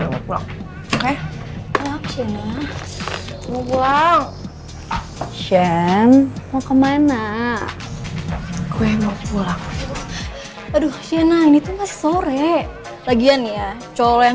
mau pulang pulang sian mau kemana gue mau pulang aduh sienna ini tuh masih sore lagian ya colo yang